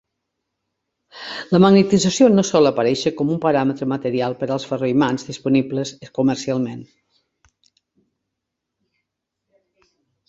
La magnetització no sol aparèixer com un paràmetre material per als ferroimants disponibles comercialment.